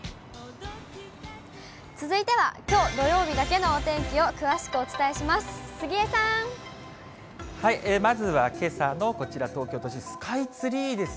続いては、きょう土曜日だけのお天気を詳しくお伝えします。